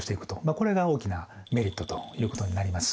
これが大きなメリットということになります。